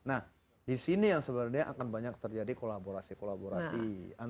nah disini yang sebenarnya akan banyak terjadi kolaborasi kolaborasi